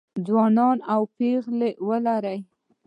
ځوانان او پېغلې ولرو